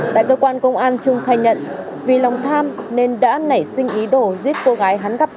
tại cơ quan công an trung khai nhận vì lòng tham nên đã nảy sinh ý đồ giết cô gái hắn gấp